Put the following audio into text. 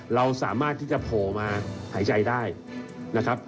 เราสามารถที่จะโผล่มาหายใจได้นะครับ